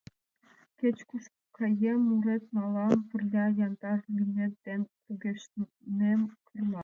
Кеч-куш каем, мурет налам пырля, Яндар лӱмет ден кугешнем, Кырла!